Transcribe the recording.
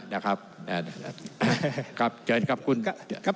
ท่านประธานก็เป็นสอสอมาหลายสมัย